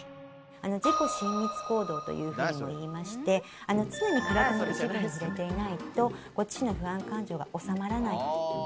自己親密行動という風にもいいまして常に体の一部に触れていないとご自身の不安感情が収まらないと。